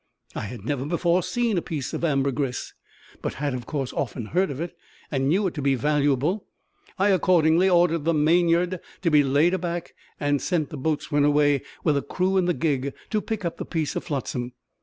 I had never before seen a piece of ambergris, but had, of course, often heard of it, and knew it to be valuable; I accordingly ordered the mainyard to be laid aback, and sent the boatswain away with a crew in the gig to pick up the piece of "flotsam."